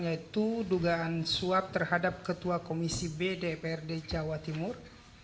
yaitu dugaan suap terhadap ketua komisi bdprd jawa timur